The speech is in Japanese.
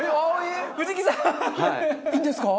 いいんですか？